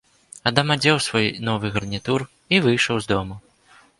Адам адзеў свой новы гарнітур і выйшаў з дому.